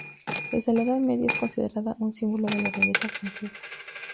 Desde la Edad Media es considerada un símbolo de la realeza francesa.